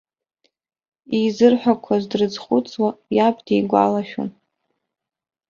Изырҳәақәаз дрызхәыцуа, иаб дигәалашәон.